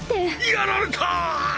やられたっ！！